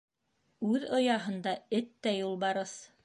Үҙ ояһында эт тә юлбарыҫ.